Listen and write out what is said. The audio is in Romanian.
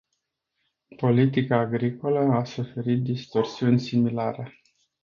Politica agricolă a suferit distorsiuni similare.